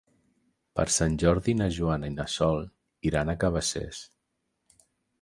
Per Sant Jordi na Joana i na Sol iran a Cabacés.